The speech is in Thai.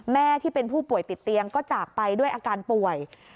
ที่เป็นผู้ป่วยติดเตียงก็จากไปด้วยอาการป่วย